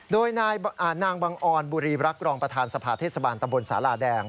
โดยนางบังออนบุรีรักรองประธานสภาเทศบาลตำบลสาลาแดง